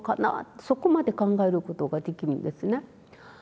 そこまで考えることができるんですね。